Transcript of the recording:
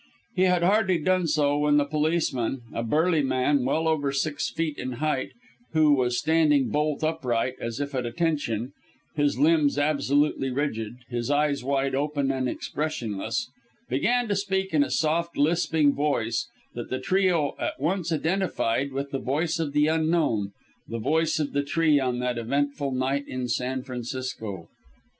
He had hardly done so, when the policeman a burly man well over six feet in height, who was standing bolt upright as if at "attention," his limbs absolutely rigid, his eyes wide open and expressionless began to speak in a soft, lisping voice that the trio at once identified with the voice of the Unknown the voice of the tree on that eventful night in San Francisco.